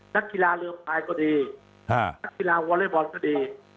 นักกีฬาเรืองภายกสดีและนักกีฬาวอเลอบอลสดี